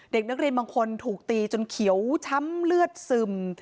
เด็กนักเรียนบางคนถูกตีจนเขียวช้ำเลือดซึม